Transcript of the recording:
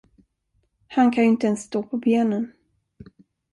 Han kan ju inte ens stå på benen.